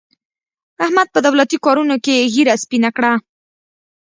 احمد په دولتي کارونو کې ږېره سپینه کړه.